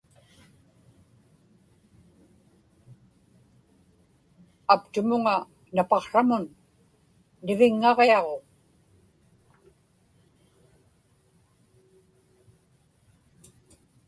aptumuŋa napaqsramun niviŋŋaġiaġuŋ